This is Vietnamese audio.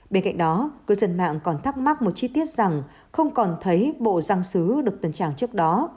bên cạnh đó cư dân mạng còn thắc mắc một chi tiết rằng không còn thấy bộ giang sứ được tần tràng trước đó